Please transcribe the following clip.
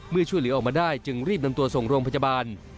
ช่วยเหลือออกมาได้จึงรีบนำตัวส่งโรงพยาบาล